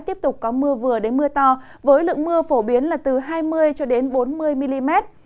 tiếp tục có mưa vừa đến mưa to với lượng mưa phổ biến là từ hai mươi cho đến bốn mươi mm